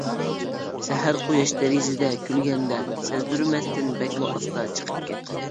سەھەر قۇياش دېرىزىدە كۈلگەندە، سەزدۈرمەستىن بەكمۇ ئاستا چىقىپ كەت.